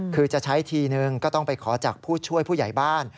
คือจะใช้ทีนึงก็ต้องไปขอจากผู้ช่วยผู้ใหญ่บ้าน